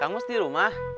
kangus di rumah